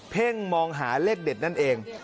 ่งมองหาเลขเด็ดนั่นเอง